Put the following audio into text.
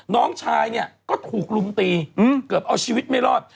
น้องชายเนี่ยก็ถูกลุมตีเกือบเอาชีวิตไม่รอด